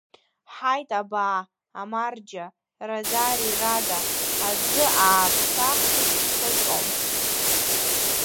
Ҳаит абаа, амарџьа, радари, рада, аӡы ааԥса хышхыҵәом.